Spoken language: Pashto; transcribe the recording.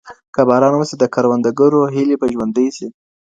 که باران وسي، د کروندګرو هيلي به ژوندی سي.